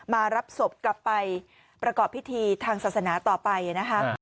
มารับศพกลับไปประกอบพิธีทางศาสนาต่อไปนะคะ